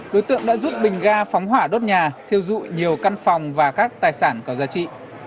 đối tượng đã rút bình ga phóng hỏa đốt nhà thiêu dụi nhiều căn phòng và các tài sản có giá trị